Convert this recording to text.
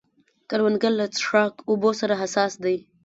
کروندګر له څښاک اوبو سره حساس دی